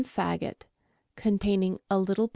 i faggot, containing a little pars I lb.